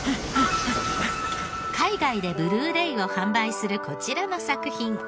海外でＢｌｕ−ｒａｙを販売するこちらの作品。